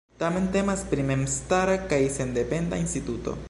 Tamen temas pri memstara kaj sendependa instituto.